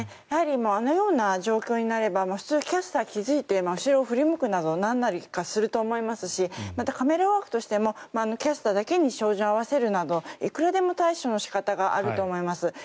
やはり、あのような状況になれば普通キャスターは気付いて後ろを振り向くなりなんなりすると思いますしまたカメラワークとしてもキャスターだけに照準を合わせるなどいくらでも対処の仕方があると思います。